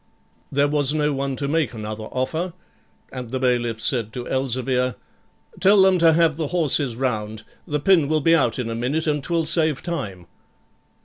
There was no one to make another offer, and the bailiff said to Elzevir, 'Tell them to have the horses round, the pin will be out in a minute, and 'twill save time.'